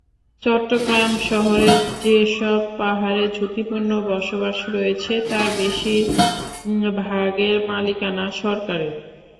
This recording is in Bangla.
চট্টগ্রাম শহরে যেসব পাহাড়ে ঝুঁকিপূর্ণ বসবাস রয়েছে, তার বেশির ভাগের মালিকানা সরকারের।